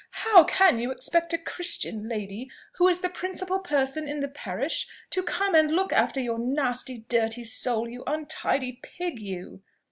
How can you expect a Christian lady, who is the principal person in the parish, to come and look after your nasty dirty soul, you untidy pig, you?"